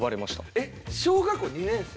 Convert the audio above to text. えっ小学校２年生？